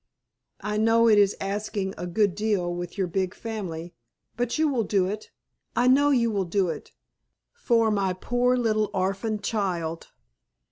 I know it is asking a good deal with your big family—but you will do it—I know you will do it—for my poor little orphaned child.